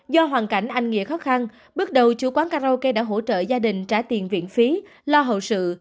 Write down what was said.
do hoàn cảnh anh nghĩa khó khăn bước đầu chủ quán karaoke đã hỗ trợ gia đình trả tiền viện phí lo hậu sự